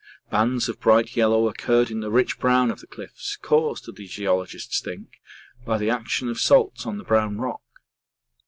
Bands of bright yellow occurred in the rich brown of the cliffs, caused, the geologists think, by the action of salts on the brown rock.